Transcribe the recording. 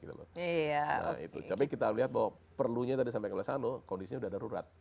tapi kita lihat bahwa perlunya tadi sampai ke lemah sano kondisinya sudah darurat